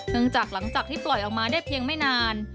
เนื่องจากหลังจากที่ปล่อยออกมาได้เพียงไม่นาน